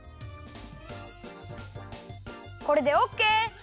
これでオッケー！